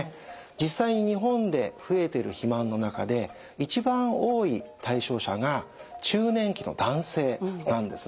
実際に日本で増えてる肥満の中で一番多い対象者が中年期の男性なんですね。